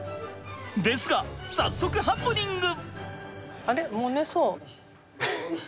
ですが早速ハプニング！